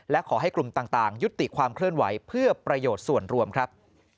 และขอให้กลุ่มต่างยุติความเคลื่อนไหวเพื่อประโยชน์ส่วนรวมครับ